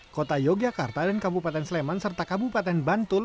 kota yogyakarta dan kabupaten sleman serta kabupaten bantul